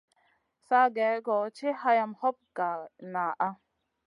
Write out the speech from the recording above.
Sa gèh-goh tiʼi hayam hoɓ goy ŋaʼa.